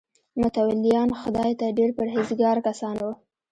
متولیان خدای ته ډېر پرهیزګاره کسان وو.